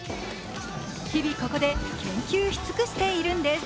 日々、ここで研究し尽くしているんです。